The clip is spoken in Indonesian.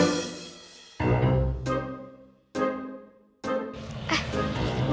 yuk yuk yuk